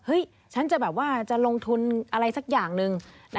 เฮ้ยฉันจะลงทุนอะไรสักอย่างหนึ่ง